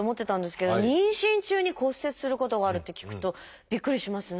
妊娠中に骨折することがあるって聞くとびっくりしますね。